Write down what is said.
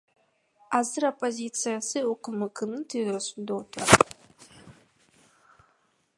Азыр оппозициячы УКМКнын ТИЗОсунда отурат.